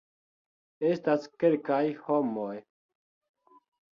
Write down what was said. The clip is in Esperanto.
Estas kelkaj homoj